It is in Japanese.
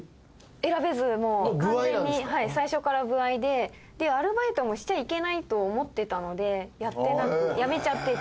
選べず完全に最初から歩合で。でアルバイトもしちゃいけないと思ってたのでやってなく辞めちゃってて。